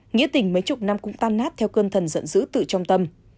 nghĩa tình mấy chục năm cũng tan nát theo cơn thần giận dữ tự trong tâm